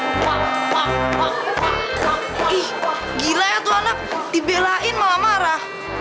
ih gila ya tuh anak dibelain malah marah